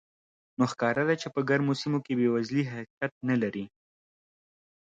نو ښکاره ده چې په ګرمو سیمو کې بېوزلي حقیقت نه لري.